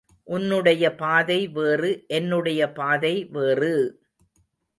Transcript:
உன்னுடைய பாதை வேறு என்னுடைய பாதை வேறு!